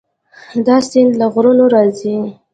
دا سیند له غرونو راځي.